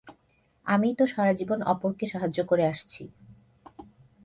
আমিই তো সারাজীবন অপরকে সাহায্য করে আসছি।